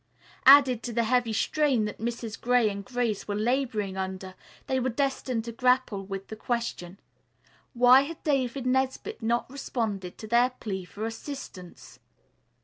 Added to the heavy strain that Mrs. Gray and Grace were laboring under, they were destined to grapple with the question: Why had David Nesbit not responded to their plea for assistance?